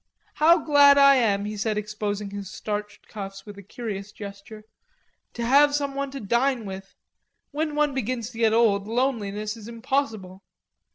"How glad I am," he said, exposing his starched cuffs with a curious gesture, "to have some one to dine with! When one begins to get old loneliness is impossible.